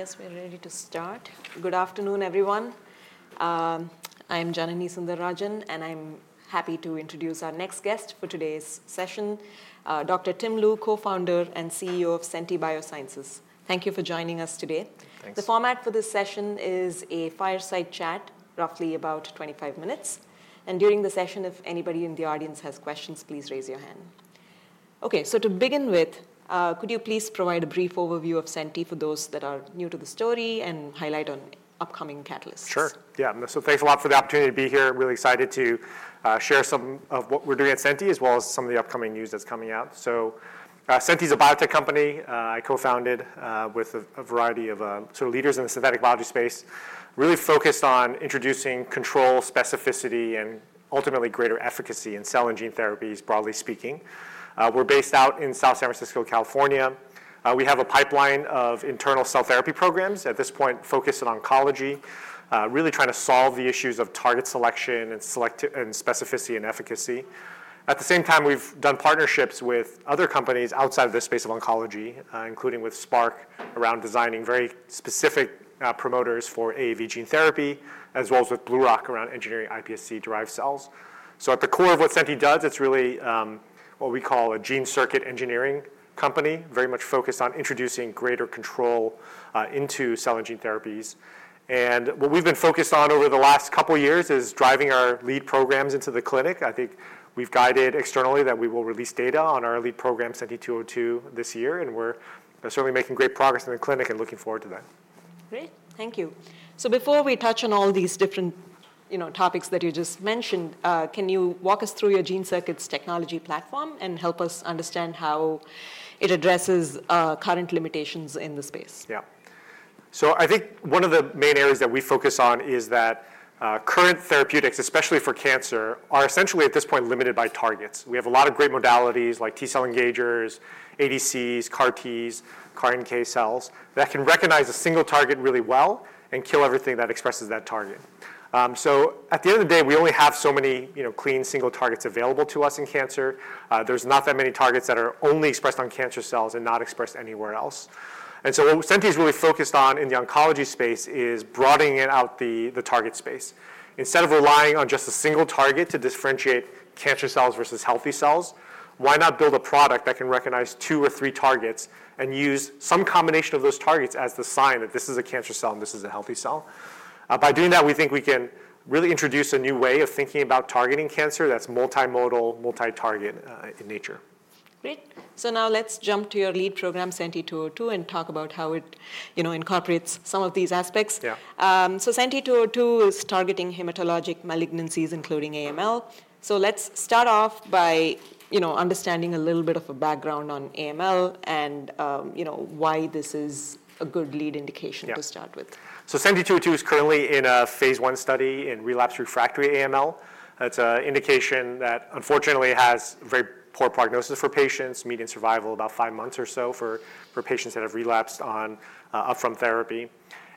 Okay, I guess we're ready to start. Good afternoon, everyone. I'm Janani Sundararajan, and I'm happy to introduce our next guest for today's session, Dr. Tim Lu, co-founder and CEO of Senti Biosciences. Thank you for joining us today. Thanks. The format for this session is a fireside chat, roughly about twenty-five minutes, and during the session, if anybody in the audience has questions, please raise your hand. Okay, so to begin with, could you please provide a brief overview of Senti for those that are new to the story and highlight on upcoming catalysts? Sure, yeah. So thanks a lot for the opportunity to be here. I'm really excited to share some of what we're doing at Senti, as well as some of the upcoming news that's coming out. So, Senti is a biotech company I co-founded with a variety of sort of leaders in the synthetic biology space, really focused on introducing control, specificity, and ultimately greater efficacy in cell and gene therapies, broadly speaking. We're based out in South San Francisco, California. We have a pipeline of internal cell therapy programs at this point, focused on oncology, really trying to solve the issues of target selection and specificity and efficacy. At the same time, we've done partnerships with other companies outside of the space of oncology, including with Spark, around designing very specific promoters for AAV gene therapy, as well as with BlueRock around engineering iPSC-derived cells, so at the core of what Senti does, it's really what we call a gene circuit engineering company, very much focused on introducing greater control into cell and gene therapies, and what we've been focused on over the last couple of years is driving our lead programs into the clinic. I think we've guided externally that we will release data on our lead program, SENTI-202, this year, and we're certainly making great progress in the clinic and looking forward to that. Great, thank you. So before we touch on all these different, you know, topics that you just mentioned, can you walk us through your gene circuits technology platform and help us understand how it addresses current limitations in the space? Yeah. So I think one of the main areas that we focus on is that current therapeutics, especially for cancer, are essentially, at this point, limited by targets. We have a lot of great modalities like T-cell engagers, ADCs, CAR-Ts, CAR NK cells, that can recognize a single target really well and kill everything that expresses that target. So at the end of the day, we only have so many, you know, clean, single targets available to us in cancer. There's not that many targets that are only expressed on cancer cells and not expressed anywhere else. And so what Senti is really focused on in the oncology space is broadening out the target space. Instead of relying on just a single target to differentiate cancer cells versus healthy cells, why not build a product that can recognize two or three targets and use some combination of those targets as the sign that this is a cancer cell and this is a healthy cell? By doing that, we think we can really introduce a new way of thinking about targeting cancer that's multimodal, multi-target, in nature. Great. So now let's jump to your lead program, SENTI-202, and talk about how it, you know, incorporates some of these aspects. Yeah. So SENTI-202 is targeting hematologic malignancies, including AML. So let's start off by, you know, understanding a little bit of a background on AML and, you know, why this is a good lead indication- Yeah... to start with. SENTI-202 is currently in a phase I study in relapsed refractory AML. That's an indication that, unfortunately, has very poor prognosis for patients, median survival, about five months or so for patients that have relapsed on upfront therapy.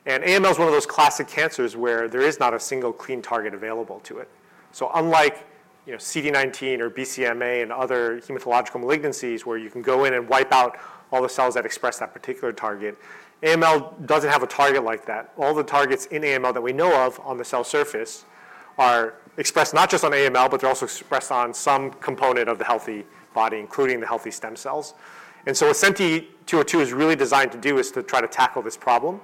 And AML is one of those classic cancers where there is not a single clean target available to it. So unlike, you know, CD19 or BCMA and other hematological malignancies, where you can go in and wipe out all the cells that express that particular target, AML doesn't have a target like that. All the targets in AML that we know of on the cell surface are expressed not just on AML, but they're also expressed on some component of the healthy body, including the healthy stem cells. And so what SENTI-202 is really designed to do is to try to tackle this problem.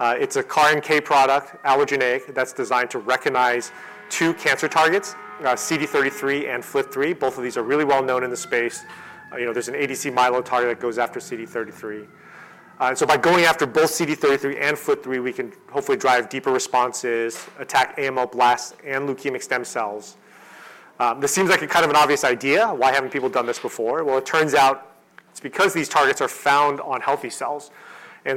It's a CAR NK product, allogeneic, that's designed to recognize two cancer targets, CD33 and FLT3. Both of these are really well known in the space. You know, there's an ADC Mylotarg that goes after CD33. So by going after both CD33 and FLT3, we can hopefully drive deeper responses, attack AML blasts, and leukemic stem cells. This seems like a kind of an obvious idea. Why haven't people done this before? It turns out it's because these targets are found on healthy cells.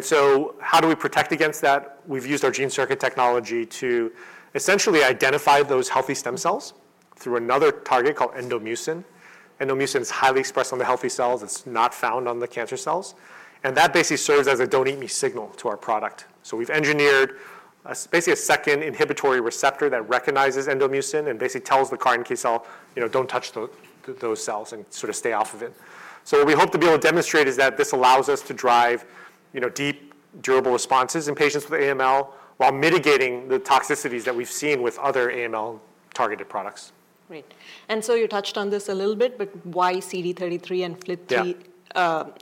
So how do we protect against that? We've used our gene circuit technology to essentially identify those healthy stem cells through another target called Endomucin. Endomucin is highly expressed on the healthy cells. It's not found on the cancer cells, and that basically serves as a "don't eat me" signal to our product. So we've engineered a, basically a second inhibitory receptor that recognizes endomucin and basically tells the CAR NK cell, you know, "Don't touch those cells, and sort of stay off of it." So what we hope to be able to demonstrate is that this allows us to drive, you know, deep, durable responses in patients with AML while mitigating the toxicities that we've seen with other AML-targeted products. Great. And so you touched on this a little bit, but why CD33 and FLT3? Yeah ...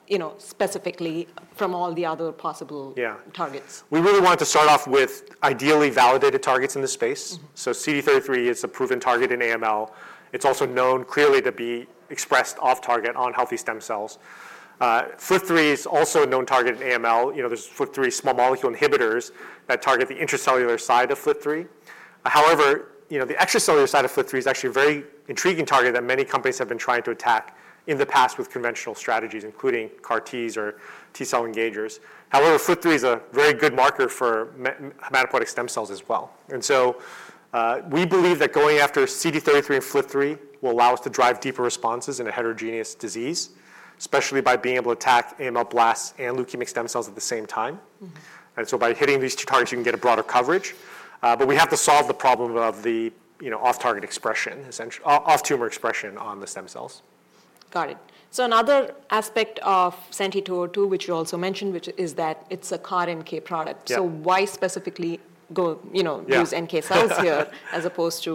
you know, specifically from all the other possible- Yeah... targets? We really wanted to start off with ideally validated targets in this space. Mm-hmm. CD33 is a proven target in AML. It's also known clearly to be expressed off-target on healthy stem cells. FLT3 is also a known target in AML. You know, there's FLT3 small molecule inhibitors that target the intracellular side of FLT3. However, you know, the extracellular side of FLT3 is actually a very intriguing target that many companies have been trying to attack in the past with conventional strategies, including CAR-Ts or T-cell engagers. However, FLT3 is a very good marker for hematopoietic stem cells as well. We believe that going after CD33 and FLT3 will allow us to drive deeper responses in a heterogeneous disease, especially by being able to attack AML blasts and leukemic stem cells at the same time. Mm-hmm. And so by hitting these two targets, you can get a broader coverage, but we have to solve the problem of the, you know, off-target expression, off-tumor expression on the stem cells. ... Got it. So another aspect of SENTI-202, which you also mentioned, which is that it's a CAR NK product. Yeah. So why specifically go, you know- Yeah. Use NK cells here, as opposed to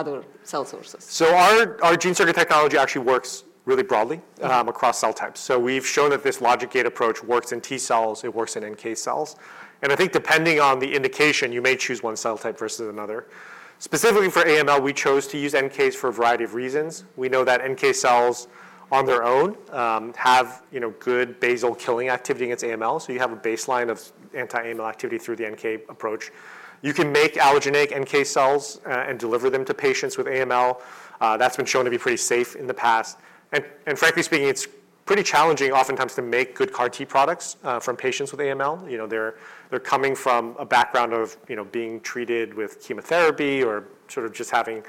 other cell sources? Our gene circuit technology actually works really broadly. Mm-hmm Across cell types. So we've shown that this logic gate approach works in T cells, it works in NK cells. And I think depending on the indication, you may choose one cell type versus another. Specifically for AML, we chose to use NKs for a variety of reasons. We know that NK cells on their own have, you know, good basal killing activity against AML, so you have a baseline of anti-AML activity through the NK approach. You can make allogeneic NK cells and deliver them to patients with AML. That's been shown to be pretty safe in the past. And frankly speaking, it's pretty challenging oftentimes to make good CAR T products from patients with AML. You know, they're coming from a background of, you know, being treated with chemotherapy or sort of just having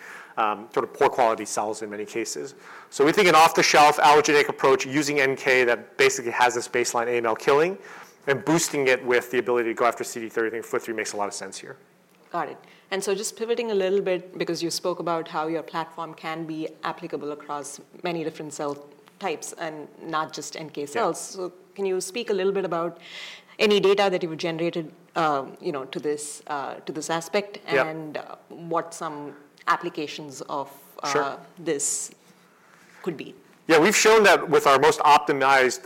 sort of poor quality cells in many cases. So we think an off-the-shelf allogeneic approach using NK that basically has this baseline AML killing, and boosting it with the ability to go after CD33 FLT3 makes a lot of sense here. Got it. And so just pivoting a little bit, because you spoke about how your platform can be applicable across many different cell types and not just NK cells. Yeah. So can you speak a little bit about any data that you've generated, you know, to this aspect? Yeah. And what some applications of Sure... this could be? Yeah, we've shown that with our most optimized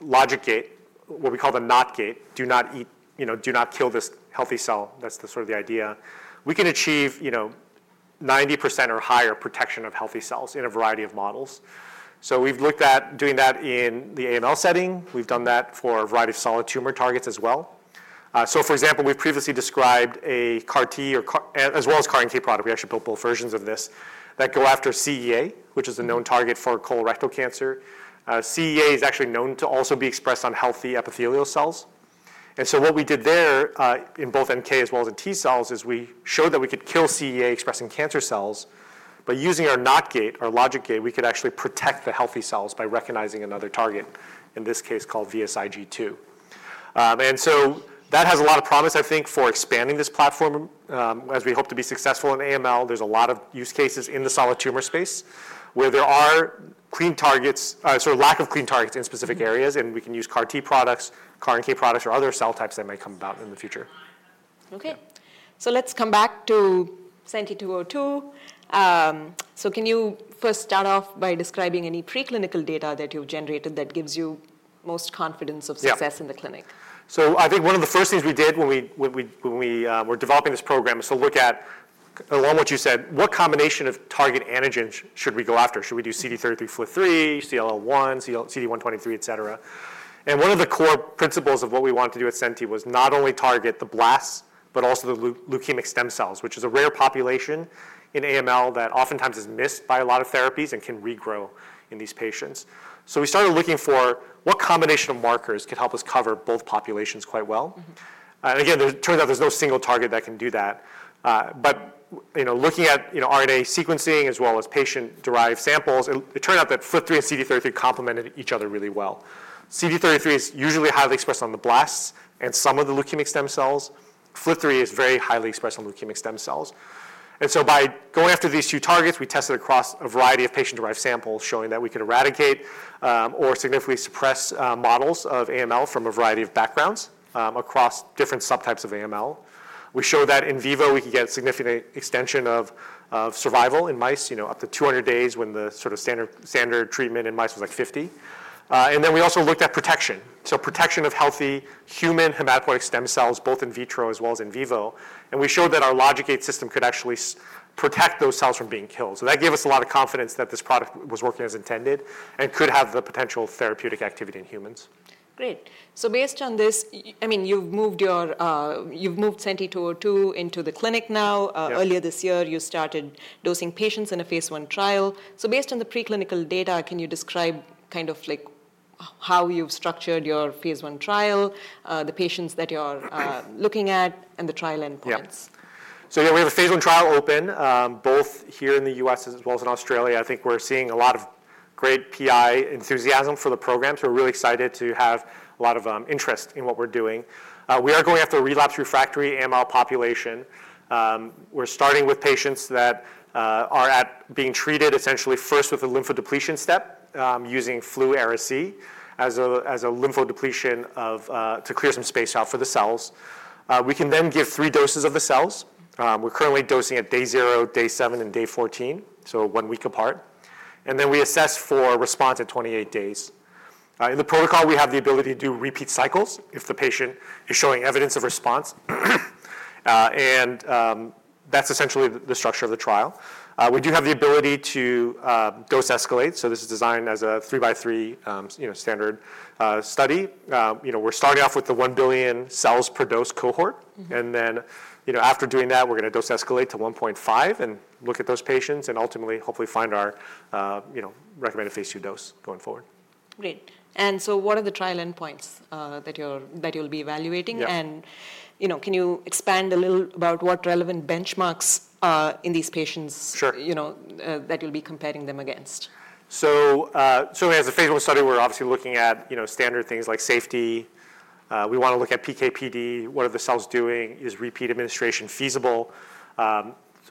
logic gate, what we call the NOT gate, do not eat, you know, do not kill this healthy cell, that's the sort of the idea. We can achieve, you know, 90% or higher protection of healthy cells in a variety of models. So we've looked at doing that in the AML setting, we've done that for a variety of solid tumor targets as well. So for example, we've previously described a CAR T or as well as CAR NK product, we actually built both versions of this, that go after CEA, which is a known target for colorectal cancer. CEA is actually known to also be expressed on healthy epithelial cells. And so what we did there in both NK as well as in T cells is we showed that we could kill CEA-expressing cancer cells by using our NOT gate, our logic gate. We could actually protect the healthy cells by recognizing another target, in this case called VSIG2. And so that has a lot of promise, I think, for expanding this platform. As we hope to be successful in AML, there's a lot of use cases in the solid tumor space, where there are clean targets, sorry, lack of clean targets in specific areas, and we can use CAR T products, CAR NK products, or other cell types that may come about in the future. Okay. Yeah. So let's come back to SENTI-202. So can you first start off by describing any preclinical data that you've generated that gives you most confidence of- Yeah... success in the clinic? I think one of the first things we did when we were developing this program is to look at, along what you said, what combination of target antigens should we go after? Should we do CD33/FLT3, CLL1, CD123, et cetera? One of the core principles of what we wanted to do at Senti was not only target the blasts, but also the leukemic stem cells, which is a rare population in AML that oftentimes is missed by a lot of therapies and can regrow in these patients. We started looking for what combination of markers could help us cover both populations quite well. Mm-hmm. And again, it turns out there's no single target that can do that. But you know, looking at you know, RNA sequencing as well as patient-derived samples, it turned out that FLT3 and CD33 complemented each other really well. CD33 is usually highly expressed on the blasts and some of the leukemic stem cells. FLT3 is very highly expressed on leukemic stem cells. And so by going after these two targets, we tested across a variety of patient-derived samples, showing that we could eradicate or significantly suppress models of AML from a variety of backgrounds across different subtypes of AML. We showed that in vivo we could get significant extension of survival in mice, you know, up to 200 days when the sort of standard treatment in mice was like 50. And then we also looked at protection. Protection of healthy human hematopoietic stem cells, both in vitro as well as in vivo, and we showed that our logic gate system could actually protect those cells from being killed. That gave us a lot of confidence that this product was working as intended and could have the potential therapeutic activity in humans. Great. So based on this, I mean, you've moved your SENTI-202 into the clinic now. Yeah. Earlier this year, you started dosing patients in a phase I trial. So based on the preclinical data, can you describe kind of like how you've structured your phase I trial, the patients that you're- Okay... looking at, and the trial endpoints? Yeah. So yeah, we have a phase 1 trial open both here in the U.S. as well as in Australia. I think we're seeing a lot of great PI enthusiasm for the program, so we're really excited to have a lot of interest in what we're doing. We are going after a relapsed refractory AML population. We're starting with patients that are being treated essentially first with a lymphodepletion step using Flu/Ara-C as a lymphodepletion to clear some space out for the cells. We can then give three doses of the cells. We're currently dosing at day zero, day seven, and day 14, so one week apart, and then we assess for response at 28 days. In the protocol, we have the ability to do repeat cycles if the patient is showing evidence of response. And that's essentially the structure of the trial. We do have the ability to dose escalate, so this is designed as a three by three, you know, standard study. You know, we're starting off with the one billion cells per dose cohort. Mm-hmm. Then, you know, after doing that, we're gonna dose escalate to 1.5 and look at those patients, and ultimately, hopefully find our, you know, recommended phase II dose going forward. Great. And so what are the trial endpoints that you'll be evaluating? Yeah. You know, can you expand a little about what relevant benchmarks in these patients- Sure... you know, that you'll be comparing them against? So as a phase I study, we're obviously looking at, you know, standard things like safety. We wanna look at PK/PD, what are the cells doing, is repeat administration feasible?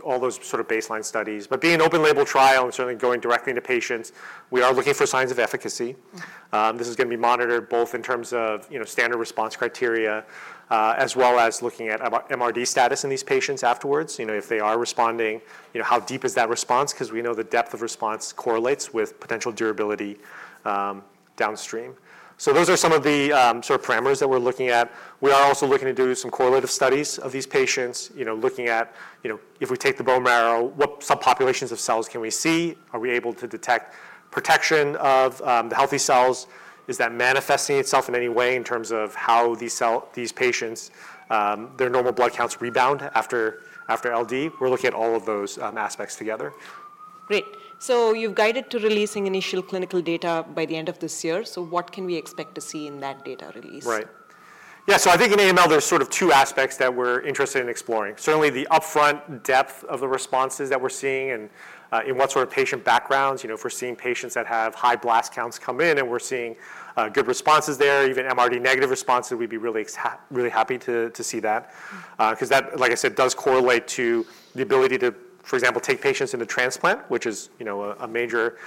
All those sort of baseline studies. But being an open label trial and certainly going directly into patients, we are looking for signs of efficacy. Mm-hmm. This is gonna be monitored both in terms of, you know, standard response criteria, as well as looking at about MRD status in these patients afterwards. You know, if they are responding, you know, how deep is that response? 'Cause we know the depth of response correlates with potential durability, downstream. So those are some of the sort of parameters that we're looking at. We are also looking to do some correlative studies of these patients, you know, looking at, you know, if we take the bone marrow, what subpopulations of cells can we see? Are we able to detect protection of the healthy cells? Is that manifesting itself in any way in terms of how these patients their normal blood counts rebound after LD? We're looking at all of those aspects together. Great. So you've guided to releasing initial clinical data by the end of this year. So what can we expect to see in that data release? Right. Yeah, so I think in AML there's sort of two aspects that we're interested in exploring. Certainly, the upfront depth of the responses that we're seeing and in what sort of patient backgrounds. You know, if we're seeing patients that have high blast counts come in and we're seeing good responses there, even MRD negative responses, we'd be really happy to see that. Mm. 'Cause that, like I said, does correlate to the ability to, for example, take patients into transplant, which is, you know, a major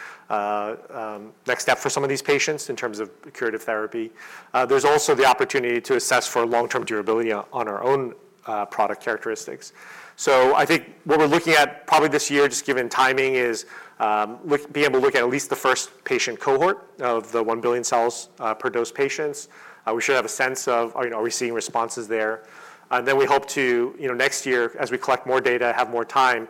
next step for some of these patients in terms of curative therapy. There's also the opportunity to assess for long-term durability on our own product characteristics. So I think what we're looking at probably this year, just given timing, is be able to look at least the first patient cohort of the one billion cells per dose patients. We should have a sense of, you know, are we seeing responses there? And then we hope to, you know, next year, as we collect more data, have more time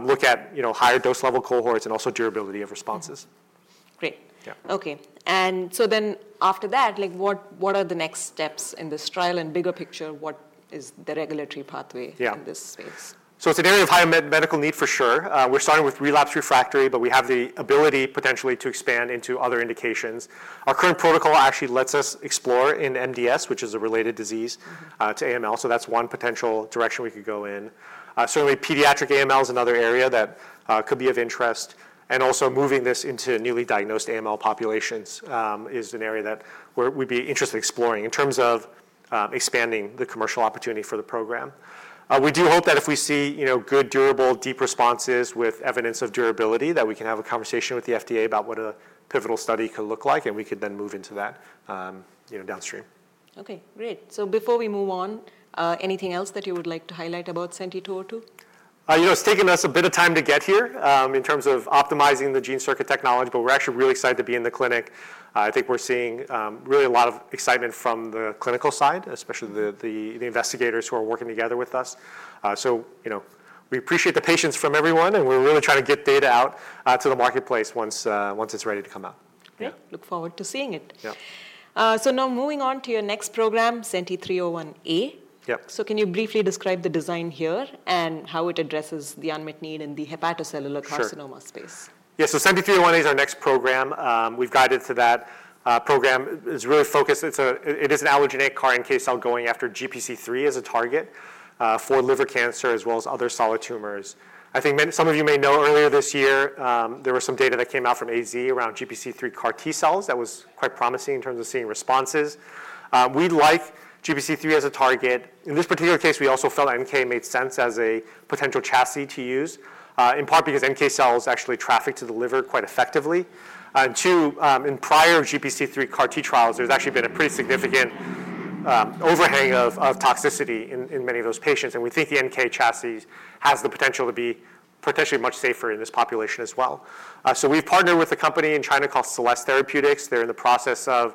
look at, you know, higher dose level cohorts and also durability of responses. Mm. Great. Yeah. Okay, and so then after that, like, what are the next steps in this trial, and bigger picture, what is the regulatory pathway? Yeah... in this space? It's an area of high medical need for sure. We're starting with relapsed refractory, but we have the ability potentially to expand into other indications. Our current protocol actually lets us explore in MDS, which is a related disease. Mm-hmm... to AML, so that's one potential direction we could go in. Certainly pediatric AML is another area that could be of interest, and also moving this into newly diagnosed AML populations is an area that, where we'd be interested in exploring in terms of expanding the commercial opportunity for the program. We do hope that if we see, you know, good, durable, deep responses with evidence of durability, that we can have a conversation with the FDA about what a pivotal study could look like, and we could then move into that, you know, downstream. Okay, great. So before we move on, anything else that you would like to highlight about SENTI-202? You know, it's taken us a bit of time to get here in terms of optimizing the gene circuit technology, but we're actually really excited to be in the clinic. I think we're seeing really a lot of excitement from the clinical side, especially the investigators who are working together with us. So, you know, we appreciate the patience from everyone, and we're really trying to get data out to the marketplace once it's ready to come out. Yeah. Great. Look forward to seeing it. Yeah. So now moving on to your next program, SENTI-301A. Yeah. Can you briefly describe the design here and how it addresses the unmet need in the hepatocellular carcinoma space? Sure. Yeah, so SENTI-301A is our next program. We've guided to that. Program is really focused, it's a, it is an allogeneic CAR NK cell going after GPC3 as a target, for liver cancer, as well as other solid tumors. I think some of you may know, earlier this year, there was some data that came out from AZ around GPC3 CAR T cells that was quite promising in terms of seeing responses. We like GPC3 as a target. In this particular case, we also felt NK made sense as a potential chassis to use, in part because NK cells actually traffic to the liver quite effectively, and two, in prior GPC3 CAR T trials, there's actually been a pretty significant overhang of toxicity in many of those patients, and we think the NK chassis has the potential to be potentially much safer in this population as well. So we've partnered with a company in China called Celest Therapeutics. They're in the process of,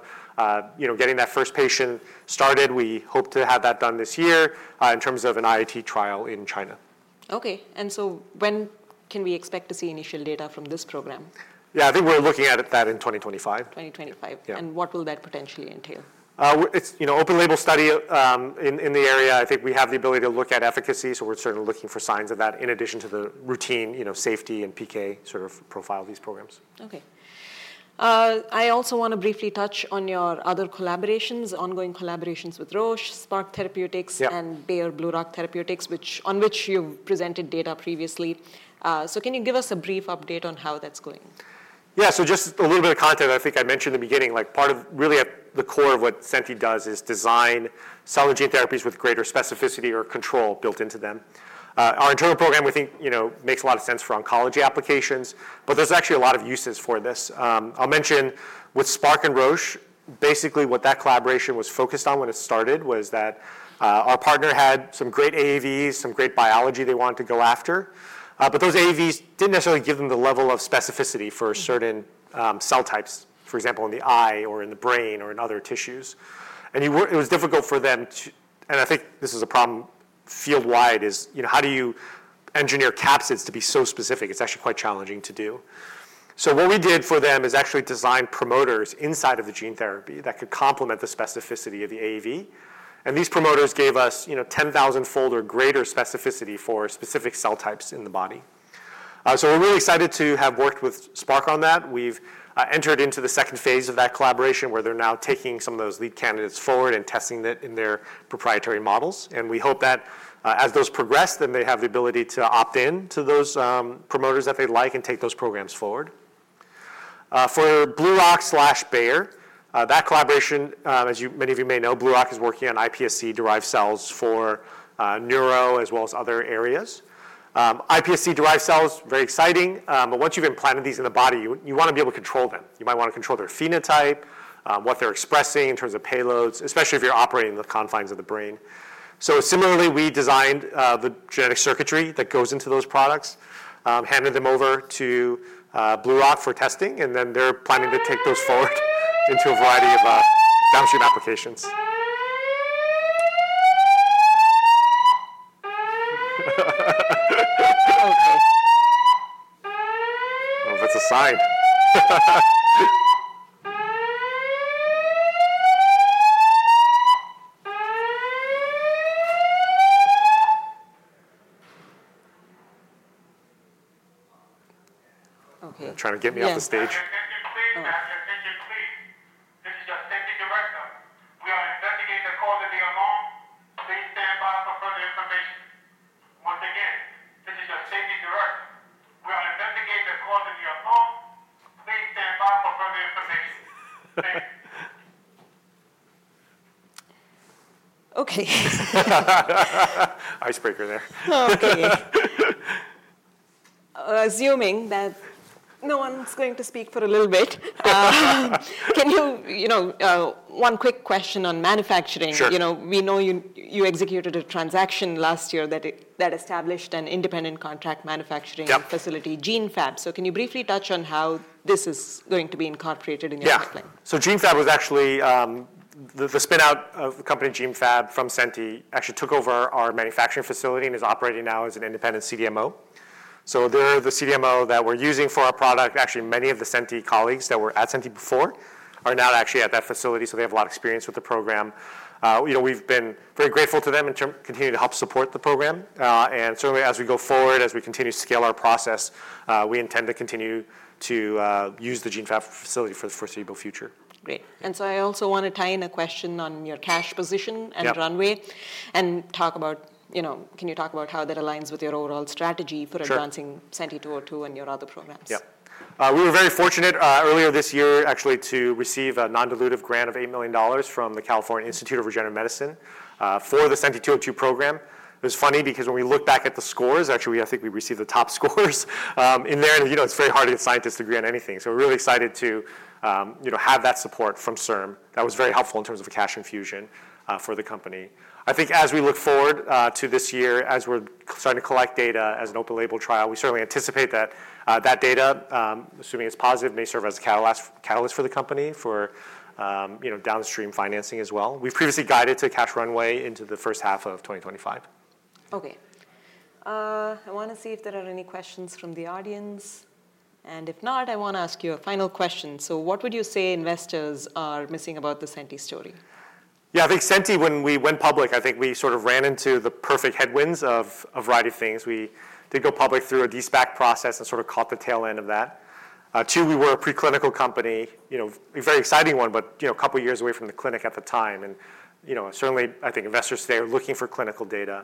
you know, getting that first patient started. We hope to have that done this year, in terms of an IIT trial in China. Okay, and so when can we expect to see initial data from this program? Yeah, I think we're looking at that in 2025. 2025. Yeah. What will that potentially entail? It's, you know, open-label study in the area. I think we have the ability to look at efficacy, so we're certainly looking for signs of that in addition to the routine, you know, safety and PK sort of profile of these programs. Okay. I also want to briefly touch on your other collaborations, ongoing collaborations with Roche, Spark Therapeutics- Yeah... and Bayer BlueRock Therapeutics, on which you've presented data previously, so can you give us a brief update on how that's going? Yeah, so just a little bit of context. I think I mentioned in the beginning, like, part of, really at the core of what Senti does is design cellular gene therapies with greater specificity or control built into them. Our internal program, we think, you know, makes a lot of sense for oncology applications, but there's actually a lot of uses for this. I'll mention with Spark and Roche, basically what that collaboration was focused on when it started was that, our partner had some great AAVs, some great biology they wanted to go after. But those AAVs didn't necessarily give them the level of specificity for certain- Mm... cell types, for example, in the eye or in the brain, or in other tissues. And it was difficult for them to... And I think this is a problem field-wide, is, you know, how do you engineer capsids to be so specific? It's actually quite challenging to do. So what we did for them is actually design promoters inside of the gene therapy that could complement the specificity of the AAV, and these promoters gave us, you know, 10,000-fold or greater specificity for specific cell types in the body. So we're really excited to have worked with Spark on that. We've entered into the second phase of that collaboration, where they're now taking some of those lead candidates forward and testing it in their proprietary models, and we hope that, as those progress, then they have the ability to opt in to those promoters that they like and take those programs forward. For BlueRock/Bayer, that collaboration, as many of you may know, BlueRock is working on iPSC-derived cells for neuro as well as other areas. iPSC-derived cells, very exciting, but once you've implanted these in the body, you wanna be able to control them. You might wanna control their phenotype, what they're expressing in terms of payloads, especially if you're operating in the confines of the brain. So similarly, we designed the genetic circuitry that goes into those products, handed them over to BlueRock for testing, and then they're planning to take those forward into a variety of downstream applications. Okay. Oh, that's a sign. Okay. Trying to get me off the stage. no one's going to speak for a little bit, can you, you know, one quick question on manufacturing? Sure. You know, we know you, you executed a transaction last year that established an independent contract manufacturing- Yeah... facility, GeneFab. So can you briefly touch on how this is going to be incorporated in your pipeline? Yeah. So GeneFab was actually the spinout of the company GeneFab from Senti actually took over our manufacturing facility and is operating now as an independent CDMO. So they're the CDMO that we're using for our product. Actually, many of the Senti colleagues that were at Senti before are now actually at that facility, so they have a lot of experience with the program. You know, we've been very grateful to them continuing to help support the program. And certainly, as we go forward, as we continue to scale our process, we intend to continue to use the GeneFab facility for the foreseeable future. Great. And so I also wanna tie in a question on your cash position- Yeah... and runway, and talk about, you know, can you talk about how that aligns with your overall strategy? Sure... for advancing SENTI-202 and your other programs? Yeah. We were very fortunate, earlier this year actually, to receive a non-dilutive grant of $8 million from the California Institute for Regenerative Medicine, for the SENTI-202 program. It was funny because when we looked back at the scores, actually, I think we received the top scores in there, and, you know, it's very hard to get scientists to agree on anything. So we're really excited to, you know, have that support from CIRM. That was very helpful in terms of a cash infusion for the company. I think as we look forward to this year, as we're starting to collect data as an open-label trial, we certainly anticipate that that data, assuming it's positive, may serve as a catalyst for the company, for, you know, downstream financing as well. We've previously guided to cash runway into the first half of 2025. Okay. I wanna see if there are any questions from the audience, and if not, I wanna ask you a final question. So what would you say investors are missing about the Senti story? Yeah, I think Senti, when we went public, I think we sort of ran into the perfect headwinds of a variety of things. We did go public through a De-SPAC process and sort of caught the tail end of that. Two, we were a preclinical company, you know, a very exciting one, but, you know, a couple of years away from the clinic at the time and, you know, certainly, I think investors today are looking for clinical data.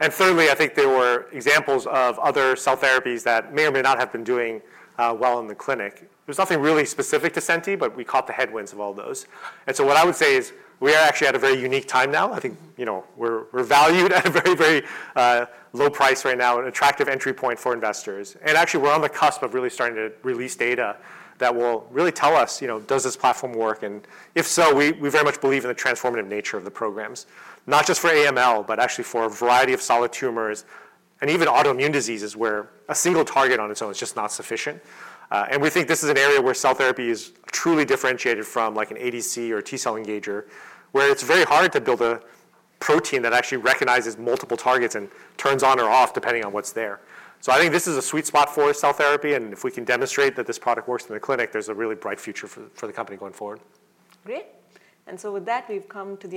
And thirdly, I think there were examples of other cell therapies that may or may not have been doing well in the clinic. There was nothing really specific to Senti, but we caught the headwinds of all those. And so what I would say is, we are actually at a very unique time now. I think, you know, we're valued at a very, very low price right now, an attractive entry point for investors. And actually, we're on the cusp of really starting to release data that will really tell us, you know, does this platform work? And if so, we very much believe in the transformative nature of the programs, not just for AML, but actually for a variety of solid tumors and even autoimmune diseases, where a single target on its own is just not sufficient. And we think this is an area where cell therapy is truly differentiated from, like an ADC or T-cell engager, where it's very hard to build a protein that actually recognizes multiple targets and turns on or off, depending on what's there. So I think this is a sweet spot for cell therapy, and if we can demonstrate that this product works in the clinic, there's a really bright future for the company going forward. Great. And so with that, we've come to the-